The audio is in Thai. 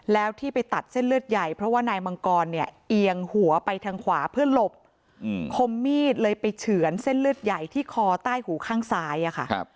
แล้วที่ไปตัดเส้นเลือดใหญ่เพราะว่านายมังกรเนี่ยเอียงหัวไปทางขวาเพื่อหลบคมมีดเลยไปเฉือนเส้นเลือดใหญ่ที่คอใต้หูข้างซ้ายอะค่ะ